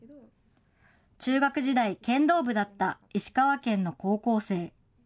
中学時代、剣道部だった石川県の高校生。